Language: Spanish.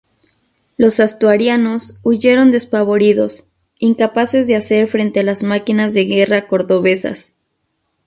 Los asturianos huyeron despavoridos, incapaces de hacer frente a las máquinas de guerra cordobesas.